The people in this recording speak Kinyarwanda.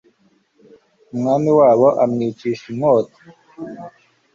umwami w'aho amwicisha inkota